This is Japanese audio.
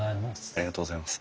ありがとうございます。